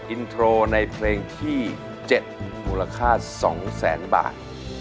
อินโทรในเพลงที่๗มูลค่า๒แสนบาท